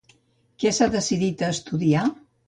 Què s'ha dedicat a estudiar?